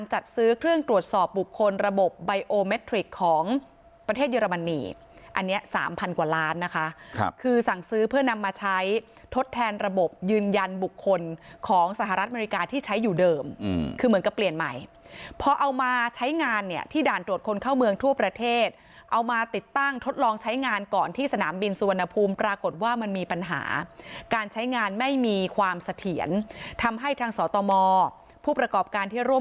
หลายล้านนะคะคือสั่งซื้อเพื่อนำมาใช้ทดแทนระบบยืนยันบุคคลของสหรัฐอเมริกาที่ใช้อยู่เดิมคือเหมือนกับเปลี่ยนใหม่เพราะเอามาใช้งานเนี่ยที่ด่านตรวจคนเข้าเมืองทั่วประเทศเอามาติดตั้งทดลองใช้งานก่อนที่สนามบินสุวรรณภูมิปรากฏว่ามันมีปัญหาการใช้งานไม่มีความเสถียรทำให้ทางสตมผู้ประกอบการที่